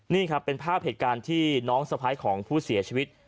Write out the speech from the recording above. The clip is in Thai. นี่ครับเป็นภาพเหตุการณ์ที่น้องสะพ้ายของผู้เสียชีวิต